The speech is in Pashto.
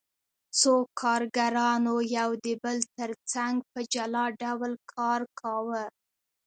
څو کارګرانو یو د بل ترڅنګ په جلا ډول کار کاوه